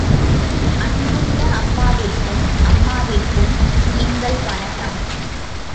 அன்புள்ள அப்பாவிற்கும் அம்மாவிற்கும், எங்கள் வணக்கம்.